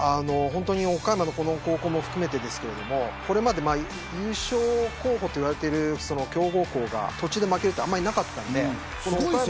岡山の、この高校も含めてこれまで優勝候補といわれている強豪校が途中で負けるのはあまりなかったので。